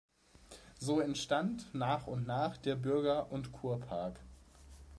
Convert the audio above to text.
So entstand nach und nach der Bürger- und Kurpark.